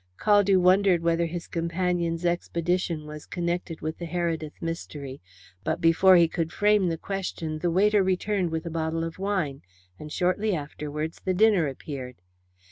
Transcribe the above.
Caldew wondered whether his companion's expedition was connected with the Heredith mystery, but before he could frame the question the waiter returned with a bottle of wine, and shortly afterwards the dinner appeared.